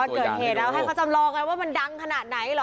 เดินไปเขาจำลองกันเลยว่ามันดังขนาดไหนหรอ